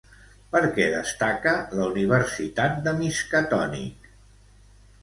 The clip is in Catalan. Per què destaca la Universitat de Miskatonic?